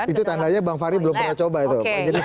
itu tandanya bang fahri belum pernah coba itu